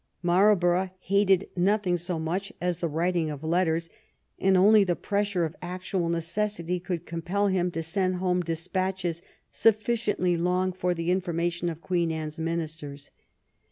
Marlborough hated nothing so much as the writing of letters, and only the pressure of actual necessity could compel him to send home despatches sufficiently long for the information of Queen Anne's ministers.